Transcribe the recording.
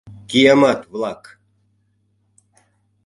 Киямат-влак!